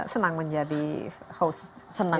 senang menjadi host